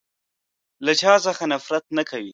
له چا څخه نفرت نه کوی.